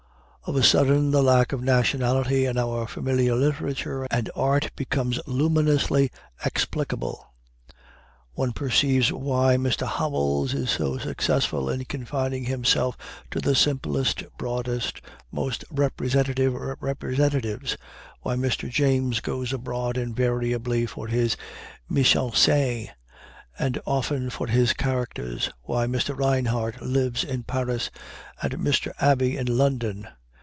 Of a sudden the lack of nationality in our familiar literature and art becomes luminously explicable. One perceives why Mr. Howells is so successful in confining himself to the simplest, broadest, most representative representatives, why Mr. James goes abroad invariably for his mise en scène, and often for his characters, why Mr. Reinhart lives in Paris, and Mr. Abbey in London.